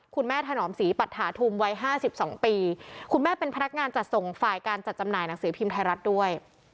ถนอมศรีปัตถาธุมวัย๕๒ปีคุณแม่เป็นพนักงานจัดส่งฝ่ายการจัดจำหน่ายหนังสือพิมพ์ไทยรัฐด้วย